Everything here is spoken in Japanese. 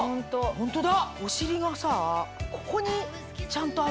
ホントだ！